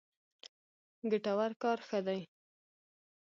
ګټور کار ښه دی.